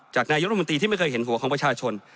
นายกรมนตรีที่ไม่เคยเห็นหัวของประชาชน